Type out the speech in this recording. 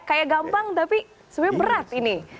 kayak gampang tapi sebenarnya berat ini